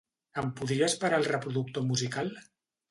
Em podries parar el reproductor musical?